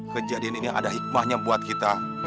kejadian ini ada hikmahnya buat kita